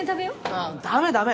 あぁダメダメ。